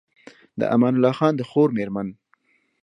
د امان الله خان د خور مېرمن